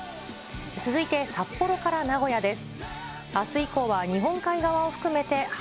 続いて札幌から名古屋です。